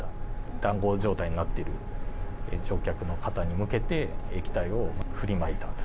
だんご状態になってる乗客の方に向けて、液体を振りまいたと。